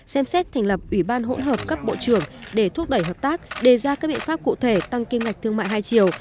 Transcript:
xem xét thành lập ủy ban hỗn hợp cấp bộ trưởng để thúc đẩy hợp tác đề ra các biện pháp cụ thể tăng kim ngạch thương mại hai chiều